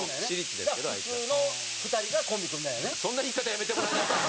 そんな言い方やめてもらえないかな。